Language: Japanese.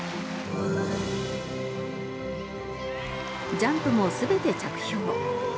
ジャンプもすべて着氷。